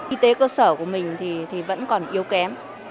y tế cơ sở của mình thì vẫn còn yếu kém